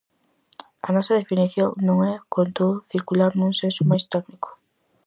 A nosa definición non é, con todo, circular nun senso máis técnico.